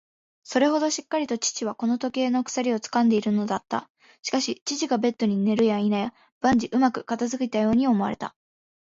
それほどしっかりと父はこの時計の鎖をつかんでいるのだった。しかし、父がベッドに寝るやいなや、万事うまく片づいたように思われた。